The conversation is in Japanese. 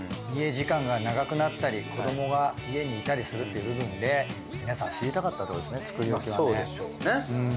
家時間が長くなったり子どもが家にいたりするっていう部分で皆さん知りたかったってことですね作り置きはね。